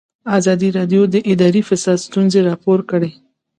ازادي راډیو د اداري فساد ستونزې راپور کړي.